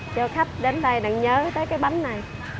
cho khách đến đây đừng nhớ tới cái bánh này